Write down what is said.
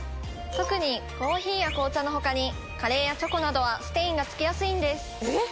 特にコーヒーや紅茶のほかにカレーやチョコなどはステインがつきやすいんです。